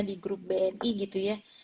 di grup bni gitu ya